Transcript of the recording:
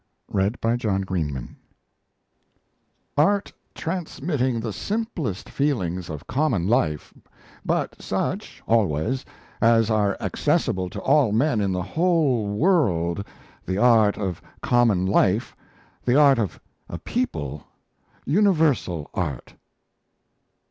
IV. THE WORLD FAMED GENIUS "Art transmitting the simplest feelings of common life, but such, always, as are accessible to all men in the whole world the art of common life the art of a people universal art."